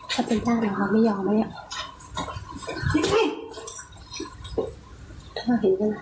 เขาเป็นการอะหรอไม่ยอมนะเนี่ย